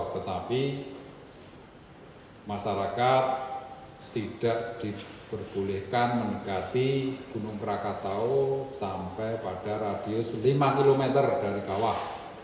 tetapi masyarakat tidak diperbolehkan mendekati gunung krakatau sampai pada radius lima km dari kawah